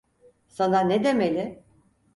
Sana ne demeli?